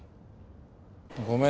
ごめん。